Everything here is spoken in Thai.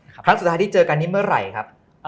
ครั้งสุดท้ายที่เจอกันนี้เมื่อไหร่ครับ